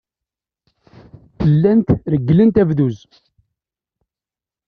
Llant regglent abduz.